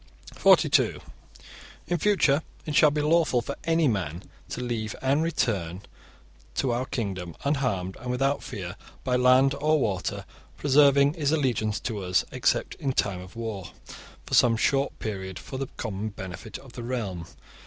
(42) In future it shall be lawful for any man to leave and return to our kingdom unharmed and without fear, by land or water, preserving his allegiance to us, except in time of war, for some short period, for the common benefit of the realm.